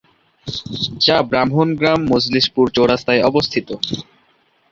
যা ব্রাহ্মণগ্রাম-মজলিশপুর চৌরাস্তায় অবস্থিত।